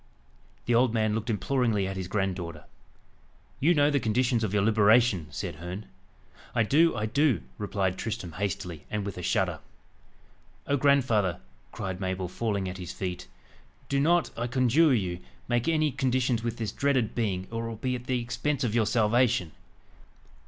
The old man looked imploringly at his granddaughter. "You know the conditions of your liberation?" said Herne. "I do I do," replied Tristram hastily, and with a shudder. "Oh, grandfather!" cried Mabel, falling at his feet, "do not, I conjure you, make any conditions with this dreaded being, or it will be at the expense of your salvation.